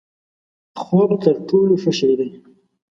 خوب تر ټولو ښه شی دی؛